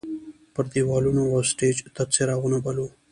پر دیوالونو او سټیج تت څراغونه بل وو.